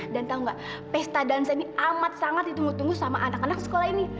dan tau gak pesta dansa ini amat sangat ditunggu tunggu sama anak anak sekolah ini